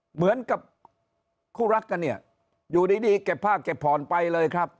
เหมือนกับคู่รักกันเนี่ยอยู่ดีเก็บผ้าเก็บผ่อนไปเลยครับ